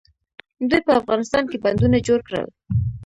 دوی په افغانستان کې بندونه جوړ کړل.